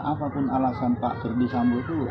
apapun alasan pak ferdi sambo itu